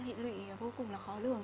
hiện lụy vô cùng là khó lương